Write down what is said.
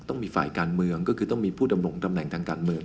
ต้องมีฝ่ายการเมือง